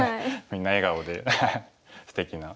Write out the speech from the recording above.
みんな笑顔ですてきな。